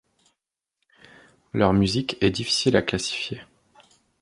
Leur musique est difficile à classifier.